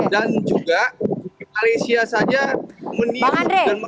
dan juga malaysia saja meniru dan mengandung indonesia